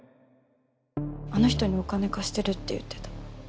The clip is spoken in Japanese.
あの人にお金貸してるって言ってた。